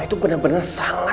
anda melukakan saya